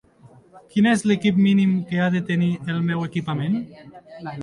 Quin és l'equip mínim que ha de tenir el meu equipament?